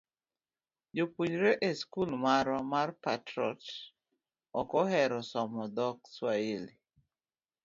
jopuonjre e skul marwa mar Patriot ok ohero somo dhok Swahili.